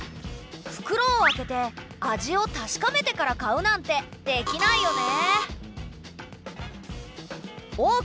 ふくろを開けて味を確かめてから買うなんてできないよね。